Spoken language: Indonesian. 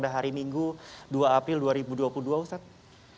pada hari minggu dua april dua ribu dua puluh dua ustadz